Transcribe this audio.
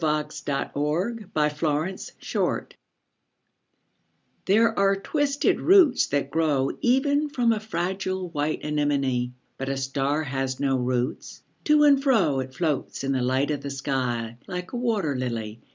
DiqllzodbvCoOgle STAR SONG These are twisted roots that grow Even from a fragile white anemone. 'But a star has no roots : to and fro It floats in the light of the sky, like a wat«r ]ily.